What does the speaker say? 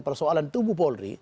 persoalan tubuh polri